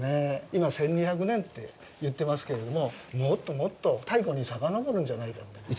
今１２００年って言ってますけれども、もっともっと太古にさかのぼるんじゃないかって。